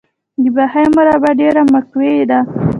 د بهي مربا ډیره مقوي ده.